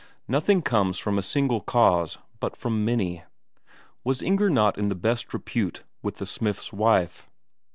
Nothing comes from a single cause, but from many. Was Inger not in the best repute with the smith's wife?